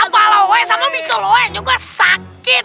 pak lawet sama misal lawet juga sakit